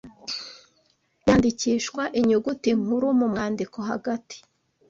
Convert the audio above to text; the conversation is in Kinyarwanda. yandikishwa inyuguti nkuru mu mwandiko hagati